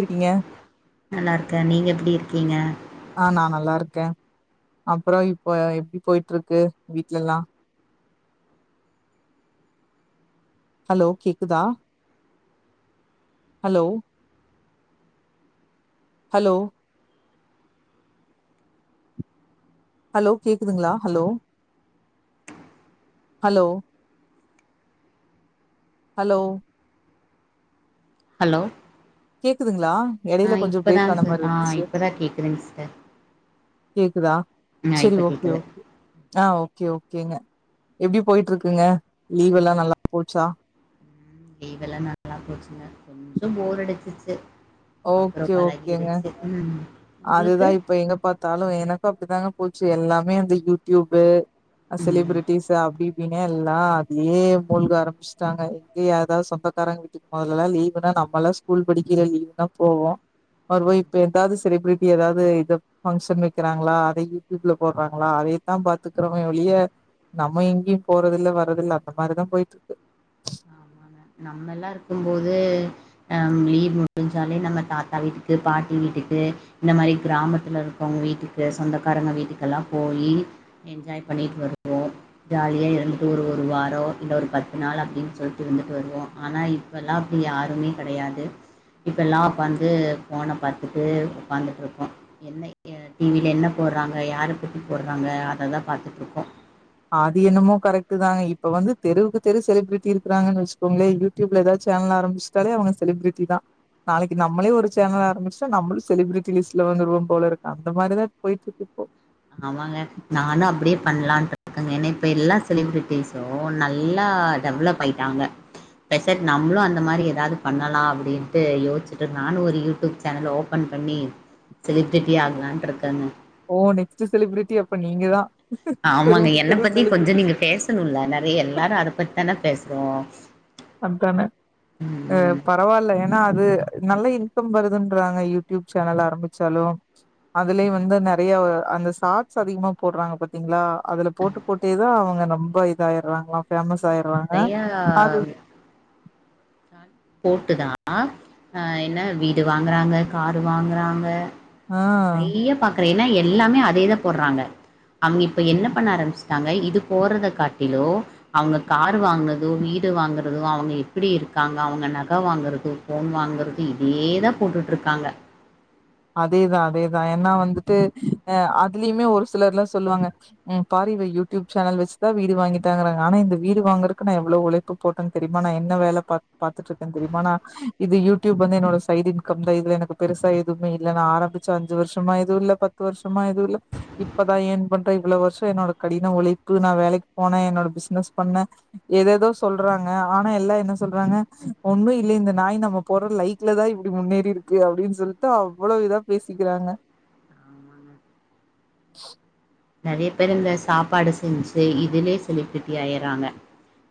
இருக்கீங்க நல்லாருக்க நீங்க எப்டி இர் கீங்க ஆ நா நல்லாருக்க அப்றொ இப்போ எப்டி போயிட்ருக்கு வீடலெல்லா ஹலோ கேக்குதா ஹலோ ஹலோ ஹலோ கேக்குதுங்ளா ஹலோ ஹலோ ஹலோ ஹலோ கேக்குதுங்ளா ஆ இப்பதாங் சர் ஆ இப்பதா கேக்குதுங் சர் கேக்குதா செரி ஓகே ஓகே ஆ ஓகே ஓகே கேங்க எப்டி போய்ட்ருக்குங்க லீவெல்லா நல்லா போச்சா லீவெல்ல நல்லா போச்சுங்க கொஞ்சொ போர் அடிச்சுச்சு அப்பறொ ஓகே ஓகேங்க பழகிருச்சு ம் அதுதா உங்களுக்கு இப்ப எங்க பாத்தாலு எனக்கு அப்டிதாங்க போச்சு எல்லாமே அந்த யூட்டியூபு அ ம் செலிபிரேட்டீஸ் அப்டி டீனே எல்லா அப்டியே மூழ்க ஆரம்புச்ட்டாங்க எங்க ஏதோ சொந்தக்காரங்க வீட்டுக் மொதலெல்லா லீவுனா நம்மலா ஸ்கூல் படிக்கைல லீவுனா போவோ ஒரு ம் வய்ப்ப என்தாதுஸ் செலிபிரிட்டி ஏதாவது இத பங்க்ஷன் வைக்கிறாங்களா அதே யூடியூப்ல போடுறாங்களா அதேத்தான் பாத்துக்கோரமே ஒளியே நம்ம எங்கேயும் போறத இல்ல வராது இல்ல அந்த மாதிரிதான் போயிட்டு இருக்கு நம்மல்லாம் இருக்கும்போது லீவ் முடிஞ்சாலே நம்ம தாத்தா வீட்டுக்கு பாட்டி வீட்டுக்கு இந்த மாதிரி கிராமத்ல இருக்கவங்க வீட்டுக்கு சொந்தக்காரங்க வீட்டுக்கெல்லாம் போயி என்ஜாய் பண்ணிட்டு வருவோம் ஜாலியாக இருந்துட்டு ஒரு ஒரு வாரம் இல்லை ஒரு பத்து நாள் அப்படின் சொல்லிட்டு இருந் ட்டு வருவோம் ஆனா இப்பெல்லாம் அப்படி யாருமே கிடையாது இப்ப எல்லாம் வந்து போனை பாத்துட்டு உட்காந்துட்டு இருக்கோம் என்ன டிவில என்ன போடுறாங்க யாரை பத்தி போடுறாங்க அததான் பாத்துட்டு இருக்கோ அது என்னமோ கரெக்ட் தாங்க இப்ப வந்து தெருவுக்கு தெரு செலிபிரிட்டி இருக்காங்கன்னு வச்சுக்கோங்களே யூடியூப்ல ஏதாவது சேனல் ஆரம்பிச்சிட்டாலே அவங்க செலிபிரிட்டி தான் நாளைக்கு நம்மளே ஒரு சேனல் ஆரம்பச்சா நம்ளும் செலிபிரிட்டி லிஸ்ட் வந்துருவோ போல இருக்கு அந்த மாதிரி தான் போயிட்டு இருக்கு இப்போ ஆமாங்க நானும் அப்டியே பண்ணலான்னு இருக்கங்க ஏன்னா இப்போ எல்லா செலிப்ரிட்டிஸும் நல்லா டெவலப் ஆயிட்டாங்க பெசட் நம்மளும் அந்த மாதிரி எதாவது பண்ணலாம் அப்டின்ட்டு யோசிுட்டு இரு நானும் ஒரு யூடியூப் சேனல் ஓப்பன் பண்ணி செலிபிரிட்டி ஆகலான் இருக்கேங்க ஓ நெக்ஸ்ட் செலிபிரிட்டி அப்ப நீங்கதான் ஆமாங்க என்னை பத்தி கொஞ்சம் நீங்க பேசணும்ல்ல நிறைய எல்லாரும் அத பத்தித்தானே பேசு றோம் அப்தானே ஹ பரவாயில்ல ஏன்னா அது நல்ல இன்கம் வருதுன்றாங்க யூடியூப் சேனல் ஆரம்பிச்சாலும் அதுலயே வந்து நிறைய அந்த சாரட்ஸ் அதிகமா போடுறாங்க பாத்தீங்களா அதுல போட்டு போட்டே தான் அவுங்க ரொம்ப இதயறாங்களா ஃபேமஸ் ஆமாங்க ஆயிறாங்க அது நெறையா போட்டுதான் ஆஹ் என்ன வீடு வாங்குறாங்க காரு வாங்குறாங்க ஆ நெறைய பா க்றேன் ஏனா எல்லாமே அதேதான் போடுறாங்க அவுங்க இப்ப என்ன பண்ண ஆரம்பச்சாங்க இது போறத காட்டிலோ அவுங்க கார் வாங்கனதோ வீடு வாங்கறதோ அவங்க எப்டி இருக்காங்க அவுங்க நகை வாங்குறது ஃபோன் வாங்கறது இதேதான் போட்டுட்டு இருக்காங்க அதேதான் அதேதான் ஏனா வந்துட்டு அஹ் அதுலயுமே ஒரு சிலர் எல்லாம் சொல்லாங்க உம் பார இவ யூடியூப் சேனல் வச்சுதான் வீடு வாங்கிட்டாங்கறாங்க ஆனா இந்த வீடு வாங்குறதுக்கு நான் எவ்ளோ உழைப்பு போட்டேன் தெரியுமா நான் என்ன வேலை பா பாத்துட்டு இருக்கேன் தெரியுமா நா இது யூடியூப் வந்து என்னோட சைடு இன்கம் தான் இதுல எனக்கு பெருசா துவுமே இ நான் ஆரம்பிச்சேன் அஞ்சு வருஷமா எதுவும் இல்லை பத்து வருஷமா எதுவும் இல்ல இப்பதான் யென் பண்றன் இவ்ளோ வருஷம் என்னோட கடின உழைப்பு நான் வேலைக்கு போனேன் என்னோட பிசுனஸ் பண்ணேன் ஏதேதோ சொல்றாங்க ஆனா எல்லாம் என்ன சொல்றாங்க ஒன்னும் இல்ல இந்த நாய் நம்ம போற லைக்ல தான் இப்டி முன்னேறி இருக்கு அப்டின்னு சொல்லி அவ்ளோ இதா பேசிக்கிறாங்க நெறைய பேரு இந்த சாப்பாடு செஞ்சு இதுலயே செலிபிரிட்டி ஆயறாங்க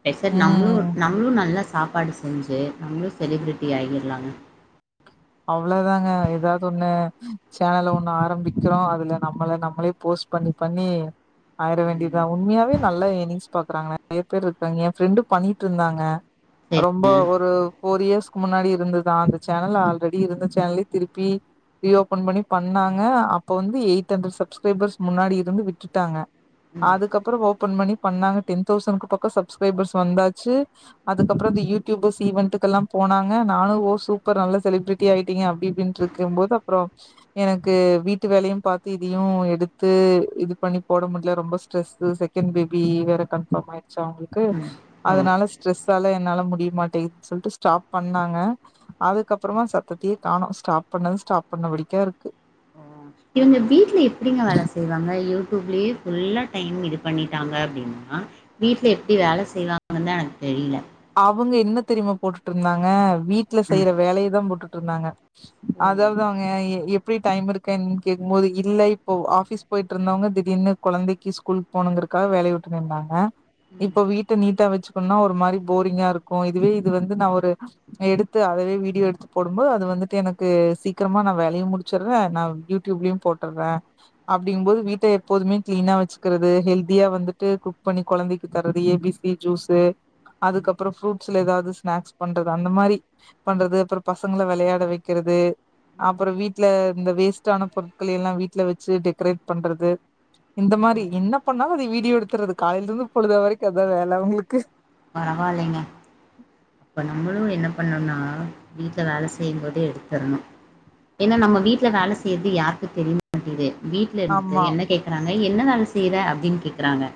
பேசாட்டு நம்மளும் ம் நம்மளும் நல்லா சாப்பாடு செஞ்சு நம்மளும் செலிப்ரிட்டி ஆகிலாங்க அ வ்ளோ தாங்க ஏதாவது ஒண்ணு சேனல ஒண்ணு ஆரம்பிக்கிறோம் அதுல நம்மள நம்மளே போஸ்ட் பண்ணி பண்ணி ஆயிர ம் வேண்டியதான உண்மையாவே நல்ல யெனிங்ஸ் பாக்குறாங்க நெறைய பேரு இருக்காங்க என் ஃபிரெண்டு பண்ணிட்டு இருந்தாங்க செரி ரொம்ப ஒரு ஃபோர் இயர்ஸ்க்கு முன்னாடி இருந்ததான் அந்த சேனல் ஆல்ரெடி இருந்த சேனல் திருப்பி ரீ ஓபன் பண்ணி பண்ணாங்க அப்ப வந்து எயிட் ஹன்ட்ரேட் சப்ஸ்கிரைபர்ஸ் முன்னாடி இருந்து விட்டுட்டாங்க ம் அதுக்கப்புறம் ஓபன் பண்ணி பண்ணாங்க டென் தௌசண்ட் பக்க சப்ஸ்கிரைபர்ஸ் வந்தாச்சு அதுக்கப்புறம் அந்த யூ டியூப்பர்ஸ் ஈவென்ட்க்கு எல்லாம் போனாங்க நானும் ஓஹ் சூப்பர் நல்ல செலி பிரிட்டி ஆகிட்டீங்க அப்டின்னு இருக்கும் போது அப்றம் எனக்கு வீட்டு வேலையும் பார்த்து இதையும் எடுத்து இது பண்ணி போட முடியல ரொம்ப ஸ்ட்ரெஸ் செகண்ட் பேபி வேற கன்பார்ம் ஆயடுச்ச அவங்களுக்கு ம் ஓ அதனால ஸ்ட்ரெஸ் நல என்னால முடிய மாட்டேங்குது சொல்லிட்டு ஸ்டாப் பண்ணாங்க அதுக்கப்றமா சத்தத்தய காணும் ஸ்டாப் பண்ணது ஸ்டாப் பண்ணபடிக்கா இருக்கு இவுங்க வீட்ல எப்டிங்க வேலை செய்வாங்க யூ லயே ஃபுல்லா டைம் இது பண்ணிட்டாங்க அப்டின்னா வீட்டில் எப்படி வேல செய்வாங்குத எனக்கு தெரில அவுங்க என்ன தெரியுமா போட்டுட்டு இருந்தாங்க வீட்ல ம் செய்ற வேலைய தான் போட்டு ருந்தாங்க ஓ அதாவது அவுங்க எப்படி டைம் இருக்கன்னு கேக்கும் போது இல்ல இப்போ ஆபீஸ் போயிட்டு இருந்தவங்க திடீர்னு குழந்தைக்கு ஸ்கூல் போனுங்கிறதுக்காக வேலைய விட்டு நின்னாங்க ம் இப்போ வீட்டை நீட்டா வச்சுக்கணும்னா ஒரு மாரி போரிங்கா இருக்கும் இதுவே இது வந்து நான் ஒரு எடுத்து அதவே வீடியோ எடுத்து போடும்போது அது வந்துட்டு எனக்கு சீக்கிரமா நா வேலையு முடிச்சடுறே நா யூடியூப்லயும் போட்டற அப்படிங்கும் போது வீட்டை எப்போதுமே கிளீனா வச்சுக்கிறது ஹெல்தியா வந்துட்டு குக் பண்ணி குழந்தைக்கு தர்றது ஏ பி சி ஜூஸு ம் அதுக்கப்புற ஃப்ரூட்ஸ்ல ஏதாவது ஸ்நாக்ஸ் பண்றது அந்த மாரி பண்றது அப்புறம் பசங்களை விளையாட வைக்கிறது அப்புற வீட்டுல இந்த வேஸ்ட்டான பொருட்கள எல்லாம் வீட்டுல வச்சு டெக்கரேட் பண்றது இந்த மாரி என்ன பண்ணாலும் அதை வீடியோ எடுத்துறது காலையில இருந்து பொழுத வரைக்கும் அதா வேல அவங்களுக்கு பரவாயில்லைங்க அப்ப நம்மளும் என்ன பண்ணும்னா வீட்டுல வேலை செய்யும்போத எடுத்துரணும் ஏன்னா நம்ம வீட்டுல வேலை செய்யறது யாருக்கு தெரிய மாட்டியது வீட்டுல இருந்துட்டு ஆமா என்ன கேக்கறா என்ன வேல செய்ற அப்படின்னு கேக்கறாங்க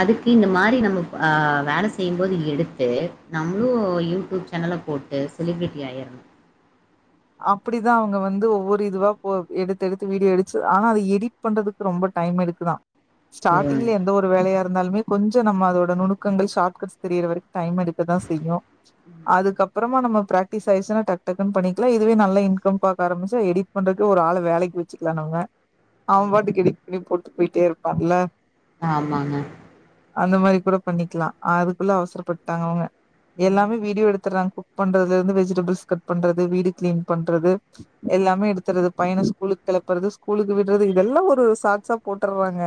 அதுக்கு இந் மாரி நம்ம அஹ் வேல செய்யும் போது எடுத்து நம்மளும் யூ டியூப் சேனல்ல போட்டு செலிபிரிட்டி ஆயிரணும் அப்படிதா அவங்க வந்து ஒவ்வொரு இதுவா போ எடுத்து எடுத்து வீடியோ எடிச்சு ஆஹ் அதை எடிட் பண்றதுக்கு ரொம்ப டைம் எடுக்குதா ஸ்டார்ட்டிங்ல எந்த ஒரு வேலையா இருந்தாலுமே கொஞ்ச நம்ம அதோட நூணுக்கங்கள் ஷார்ட்கட் தெரியற வரைக்கு டைம் எடுக்கதா செய்யும் ம் அதுக்கப்புறமா நம்ம ப்ரக்ட்டிஸ் ஆயிருச்சுனா டக் டக்னு பண்ணிட் இதுவே [unintelligible] நல்லா இன்கம் பாக்க ஆரம்பிச்சா எடிட் பண்றதுக்கு ஒரு ஆள வேலைக்கு வெச்சுக்கலா நம்ம ஓ அவ பாட்டுக்கு எடிட் பண்ணி போட்டு போயிட்டே இருப்பான்ல ஆமாங்க அந்த மாரி கூட பண்ணிக்கலா அதுக்குள்ள அவசரப்பட்டுடாங்க அவங்க ம் எல்லாமே வீடியோ எடுத்துடுறாங்க குக் பண்றதுல இருந்து வெஜிடபிள்ஸ் கட் பண்றது வீடு கிளீன் பண்றது எல்லாமே எடுத்துறது பையனை ஸ்கூலுக்கு கிளப்புறது ஸ்கூலுக்கு விடுறது இதெல்லாம் ஒரு ஷார்ட்ஸ்ஸா போட்டுடறாங்க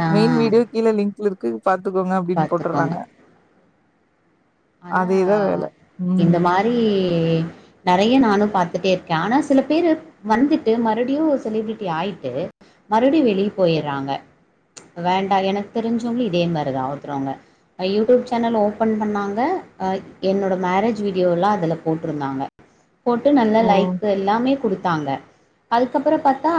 ஆ மெயின் வீடியோ கீழே லிங்க் இருக்கு பாத்துக்கோங்க அப்படின்னு பாத்துக்கோங்க போட்டுறாங்க ஆனா அதேதா வேல இந்த ம் மாரி [unintelligible] நிறைய நானும் பத்துட்டே இருக்கே ஆனா சில பேர் வந்துட்டு மறுபடியும் செலிபிரிட்டி ஆயிட்டு மறுபடியும் வெளிய போயறாங்க வேண்டா எனக்கு தெரிஞ்சவங்கள இதே மாரிதா ஒருத்தவர்ங்க எதோ சேனல் ஓபன் பண்ணாங்க எ என்னோட மேரேஜ் வீடியோ எல்லா அதுல போட்டிருந்தாங்க போட்டு நல்ல ஓ லைக்கு எல்லாமே கொடுத் தாங்க அதுக்கப்புறம் பார்த்தா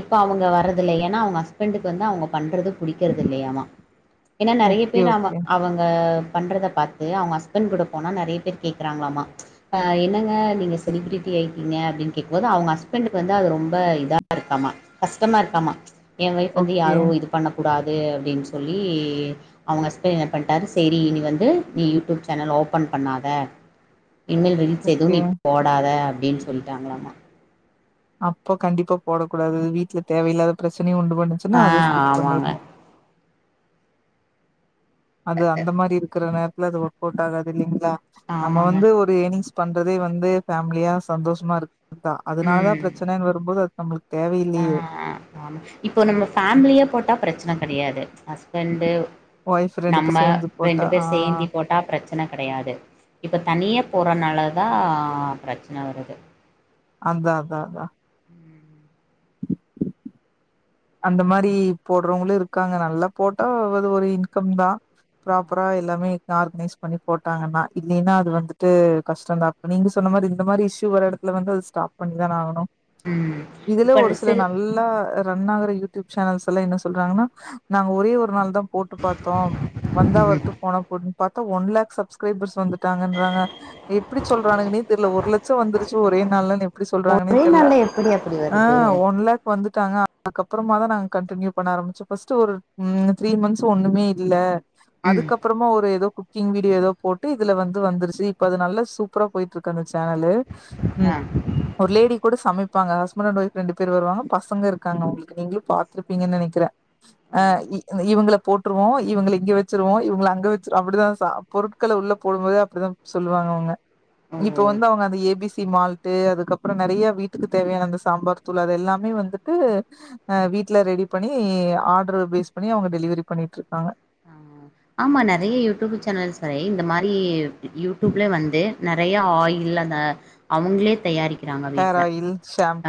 இப்ப அவங்க வர்றதில்ல ஏன்னா அவங்க ஹஸ்பண்டக்கு வந்து அவங்க பண்றது பிடிக்கிறது இல்லையாம ஏன்னா நிறைய ஓகே பேர் அவ ஓகே அவங்க பண்றத பாத்து அவங்க ஹஸ்பண்ட் கூட போனா நிறைய பேருக் கேக்குறாங்களாமா அஹ் என்னங்க நீங்க செலிபிரிட்டி ஆயிட்டீங்க அப்படின்னு கேக் போது அவங்க ஹஸ்பண்டக்கு வந்து அது ரொம்ப இதா இருக்காமா கஷ்டமா இருக்காமா என் வயஃப் வந்து ஓகே யாரும் இது பண்ணக்கூடாது அது அப்படின்னு சொல்லி அவங்க ஹஸ்பண்ட் என்ன பண்ணிட்டரு சரி இனி வந்து நீ யூ டியூப் சேனல் ஓப்பன் பண்ணாத இனிமேல் ரிலீஸ் எதுவும் ஓகே நீ போடாத அப்படின்னு சொல்லிட்டாங்களாமா அப்போ கண்டிப்பா போட கூடாது வீட்டுல தேவையில்லாத பிரச்சன ச்சன உண்டு பச்சுன்னா ஆ அதத ஸ்கிப் ஆமாங்க பண்ணிருணு அது அந்த மாரி இருக்கிற நேர இல்ல அது ஒர்க்கவுட் ஆகாது இல்லைங்களா நம்ம ஆமாங்க வந்து ஒரு ஏர்னிங்ஸ் பண்றதே வந்து ஃபேமிலியா சந்தோஷமா இருக் அதா அதனால பிரச்சனனு வரும்போது நம்ளுக் ஆஹ் இப்போ நம்ம ஃபேம்லியா போட்டா பிரச்சன கெடயாது ஹ ரெண்டு ஒய்ஃப் ரெண்டு பேர் நம்ம சேர்ந்து போட்டா ரெண்டு ஆ பேர் சேந்தி போட்டா பிரச்சன கெடயாது இப்ப தனியா போற நாளதா பிரச்சன வருது அதா அதா அதா அந்த மாரி போடுறவங்களு இருக்காங்க நல்லா போட்டா அது ஒரு இன்கம் தா ப்ராப்பரா எல்லாமே ஆர்கனைஸ் பண்ணி போட்டாங்கன்னா இல்லின்னா அது வந்துட்டு கஷ்டம் தா இப்ப நீங்க சொன்ன மாரி இந்த மாரி இஷ்யூ வர இடத்துல வந்து அது ஸ்டாப் பண்ணிதான ஆகணு ம் இதுல இப்ப ஒரு சில சி நல்ல ரன் யூடியூப் சேனல்ஸ் எல்லா என்ன சொல்றாங்கன்னா நாங்க ஒரே ஒரு நாள் தா போட்டு பாத்தோ‌ வந்தா ம் வருட்டு போன போட்டுனு ஒன்லேக் சப்ஸ்கிரைபர்ஸ் வந்து ங்கராங்க எப்டி சொல்றனுகனே தெர்ல ஒரு லட்சம் வந்துருச்சு ஒரே நாள்ல எப்டி சொல்றாங்கன்ன ஒரே தெர்ல நாள்ல எப்டி அப்டி வருது ஒன்லேக் வந்துட்டாங்க அப்புறமா தா நாங்க கண்டினியூ பண்ண ஆரம்பிச்சோ பர்ஸ்ட் ஒரு ம் த்ரீ மந்த்ஸ் ஒண்ணுமே இல்ல ம் அதுக்கப்புறம ஒரு ஏதோ கிங் வீடியோ ஏதோ போட்டு இதுல வந்து வந்துருச்சு இப்ப அது நல்ல சூப்பரா போயிட்டு இருக்க சேனலு ம் ஆ ஒரு லேடி கூட சமைப்பா சமைப்பாங்க ஹஸ்பண்ட் ஏன்ட் ஃவைப் ரெண்டு பேர் வருவங்க பசங்க இருக்கு இருக்காங்க அங்களுக்கு நீங்களு பாத்துருப்பீங்கன்னு நினைக்கிற அ ஓ இவங்கள போட்டுருவோ இவங்கல இங்க வெச்சிருவோ இவங்கல அங்க வெச்சிரு அப்டிதா பொருட்களை உள்ள போடும்போதே அப்டிதா சொல்லுவாங்க அவங்க இப்ப ஓ வந்து அவங்க அந்த A B C C malt அதுக்கப்புறம் நெறைய வீட்டுக்கு தேவையான அந்த சாம்பார் தூள் அது எல்லாமே வந்து வீட்ல ரெடி பண்ணி ஆர்ரு பேஸ் பண்ணி அவங்க டெலிவெரி பண்ணிட்டு இருக்காங்க ஆ ஆமா நெறய யூடியூப் சேனல்ஸ்ல இந்த மாரி யூடியூப்லே வந்து நெறய ஆயில் அந்த அவங்களே தயாரிக் றாங்க ஹேர் வீட்ல ஆயில்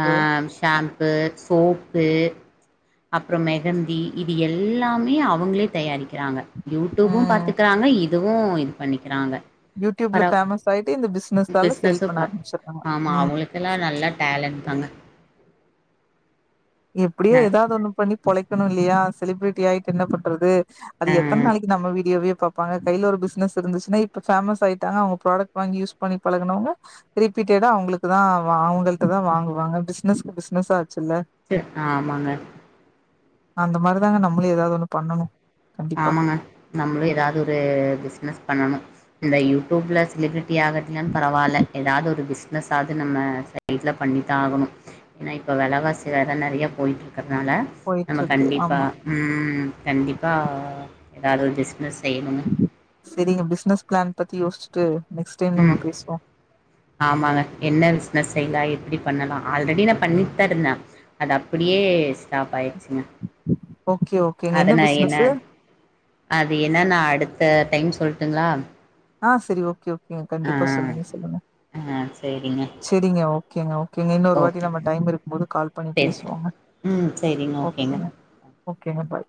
ஹ ஷாம்பூ ப்பு சோப்பு அப்புறம் மெகந்தி இது எல்லாமே அவங்களே தயாரிக் ராங்க யூடியூபும் ம் பாத்துக்குறாங்க இது இதுவும் இது பண்ணிக்கிறாங்க யூடியூப்ல பரவ் பேமஸ் ஆய்ட்டு இந்த பிஸ்னஸ்னால சேல் பிஸ்னஸும் பண்ண பா ஆரபிச்சுறாங்க ஆமா உம் அவங்களுக்கெல்லா நல்லா டேலண்ட் தாங்க எப்டியோ ந எதாவது ஒண்ணு பண்ணி பொழைக்கணு இல்லயா செலிபிரிட்டி ஆயிட்டு என்ன பண்றது அது ஆ எத்தன நாளிக்கு நம்ம வீடியோவியே பாப் பாங்க கைய்ல ஒரு பிசினஸ் இருந்துச்சுன்னா இப்ப ஃபேமஸ் ஆயிட்டாங்க அவங்க ப்ராடெக்ட் வாங்கி யூஸ் பண்ணி பழகுனவங்க ரிப்பீட்டடா அவங்களுக்குதா அவங்கல்டதா வாங்குவாங்க பிசினஸ்க்கு பிசினஸ்சும் ஆச்சுல்ல ஆமாங்க அந்த மாரிதாங்க நம்மளு ஏதாவது ஒண்ணு பண்ணணு கண்டிப்பா ஆமாங்க, நம்மளும் ஏதாவது ஒரு பிசினஸ் பண்ணணும். இந்த யூட்டூப்ல சிலது டி ஆகட்னாம் பரவால்ல ஏதாவது ஒரு பிஸ் ப்னஸ்ஸாது நம்ம சைட்ல பண்ணி தான் ஆகணும், ஏன்னா இப்போ வெலவாசி வேற நறையா போயிட்டுரு க்கற்துனால நம்ம போயிட்ருக்கு கண்டிப்பா ஆமா ம் கண்டிப்பா எதாவது ஒரு பிஸ்னஸ் செய்யணுன்னு சரிங்க பிஸ்னஸ் பிளான் பத்தி யோசிச்சுட்டு நெக்ஸ்ட் டைம் நம்ம உம், பேசுவோ ஆமாங்க என்ன பிசினஸ் தை லா எப்புடி பண்ணலா ஆல்ரெடி நான் பண்ணிட்தா இருந்தே, அது அப்புடியே ஸ்டாப் ஆயி ச்சுங்க, ஓகே ஓகேங்க அது நா என்ன, பிசினஸு அது என்னனா அடுத் த டைம் சொல்ட்டுங்ளா ஆ சரி ஓகே ஓக் நீங்க கண்டிப்பா சொல்லுங்க சொல்லுங்க, ஆ சேரிங்க சரிங்க ஓகேங்க ஓகேங்க இன்னொரு வாட்டி ஓகே நம்ம டைம் இருக்கும்போது கால் பண்ணி பேசலாம் பேசுவோங்க, ம் சரிங்க ஓகேங்க. ஓகேங்க பாய்.